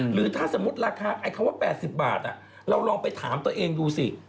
หรือถ้าสมมุติราคาไอ้คำว่า๘๐บาทเราลองไปถามตัวเองดูสิ